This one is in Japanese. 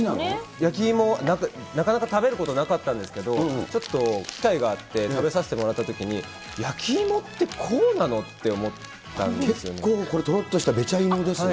焼き芋、なかなか食べることなかったんですけど、ちょっと機会があって食べさせてもらったときに、焼き芋って、こうなのって思ったんですよね。